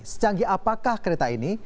secanggih apakah kereta ini